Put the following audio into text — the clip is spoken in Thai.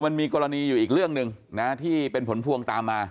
มันมีกรณีอยู่อีกเรื่องหนึ่งนะที่เป็นผลพวงตามมา